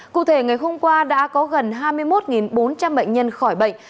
cụ thể ngày hôm qua đã có gần hai mươi một bốn trăm linh bệnh nhân khỏi bệnh